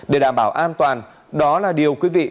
để đảm bảo an toàn đó là điều quý vị